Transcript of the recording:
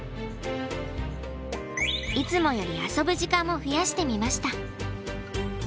いつもより遊ぶ時間も増やしてみました。